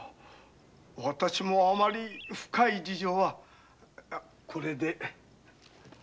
私もあまり深い事情は。